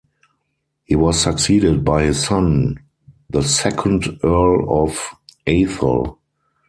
He was succeeded by his son, the second Earl of Atholl.